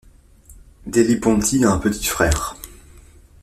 Delliponti a un petit frère.